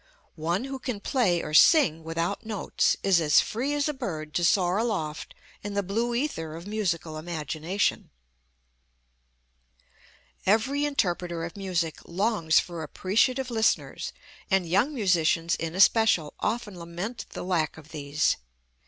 One who can play or sing without notes is as free as a bird to soar aloft in the blue ether of musical imagination. [Illustration: FRANZ LISZT] Every interpreter of music longs for appreciative listeners, and young musicians, in especial, often lament the lack of these.